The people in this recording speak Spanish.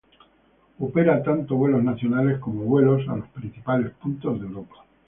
Opera tanto vuelos nacionales, como vuelos a los principales puntos de Europa.